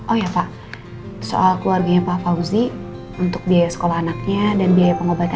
oh ya pak soal keluarganya pak fauzi untuk biaya sekolah anaknya dan biaya pengobatannya